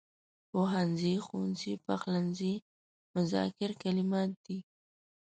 پوهنځی، ښوونځی، پخلنځی مذکر کلمات دي.